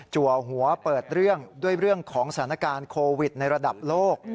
หัวเปิดเรื่องด้วยเรื่องของสถานการณ์โควิดในระดับโลก